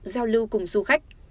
giao lưu cùng du khách